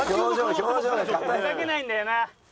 ふざけないんだよな。